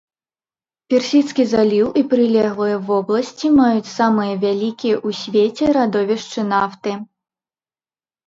Персідскі заліў і прылеглыя вобласці маюць самыя вялікія ў свеце радовішчы нафты.